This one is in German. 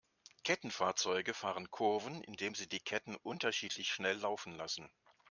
Kettenfahrzeuge fahren Kurven, indem sie die Ketten unterschiedlich schnell laufen lassen.